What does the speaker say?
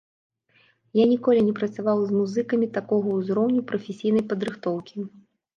Я ніколі не працаваў з музыкамі такога ўзроўню прафесійнай падрыхтоўкі.